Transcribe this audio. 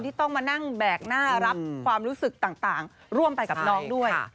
ที่ต้องมานั่งแบกหน้ารับความรู้สึกต่างร่วมไปกับน้องด้วย